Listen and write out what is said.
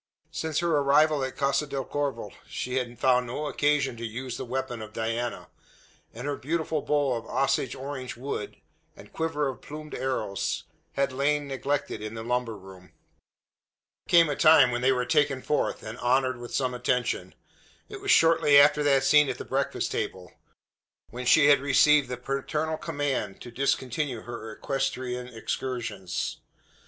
Since her arrival at Casa del Corvo she had found no occasion to use the weapon of Diana; and her beautiful bow of Osage orange wood, and quiver of plumed arrows, had lain neglected in the lumber room. There came a time when they were taken forth, and honoured with some attention. It was shortly after that scene at the breakfast table; when she had received the paternal command to discontinue her equestrian excursions.